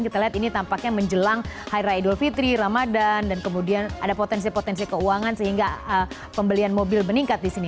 kita lihat ini tampaknya menjelang hari raya idul fitri ramadan dan kemudian ada potensi potensi keuangan sehingga pembelian mobil meningkat di sini